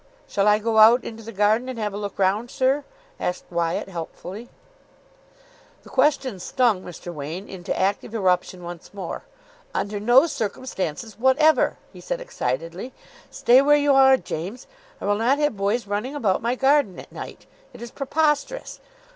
"Shall I go out into the garden, and have a look round, sir?" asked Wyatt helpfully. The question stung Mr. Wain into active eruption once more. "Under no circumstances whatever," he said excitedly. "Stay where you are, James. I will not have boys running about my garden at night. It is preposterous.